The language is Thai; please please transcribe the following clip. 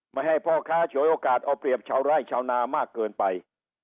ไม่ให้พ่อค้าฉวยโอกาสเอาเปรียบชาวไร่ชาวนามากเกินไป